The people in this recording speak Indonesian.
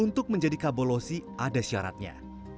untuk menjadi kabolosi ada syaratnya